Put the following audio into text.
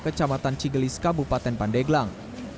kecamatan cigelis kabupaten pandeglang